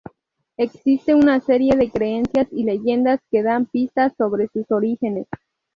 Existe una serie de creencias y leyendas que dan pistas sobre sus orígenes.